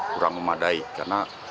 kurang memadai karena